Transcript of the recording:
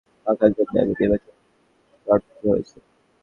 তাই নারীর ক্ষমতায়নের ধারা সমুন্নত রাখার জন্যই আমি নির্বাচনে প্রার্থী হয়েছি।